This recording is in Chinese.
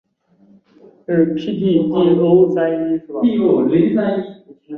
它替代了各种古希腊语方言并形成了一个能为众人理解的日常语言形式。